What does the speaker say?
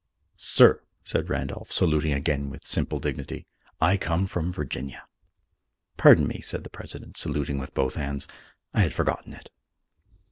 "Sir," said Randolph, saluting again with simple dignity, "I come from Virginia." "Pardon me," said the President, saluting with both hands, "I had forgotten it."